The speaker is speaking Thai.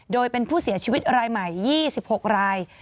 โดยเป็นผู้เสียชีวิตรายใหม่๒๖ราย